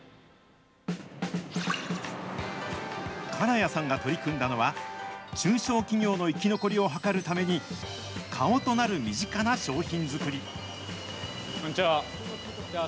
金谷さんが取り組んだのは、中小企業の生き残りを図るために、顔となる身近な商品作り。